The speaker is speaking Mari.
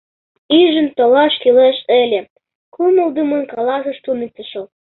— Ӱжын толаш кӱлеш ыле, — кумылдымын каласыш туныктышо.